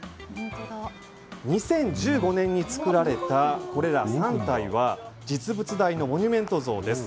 ２０１５年に作られたこれら３体は実物大のモニュメント像です。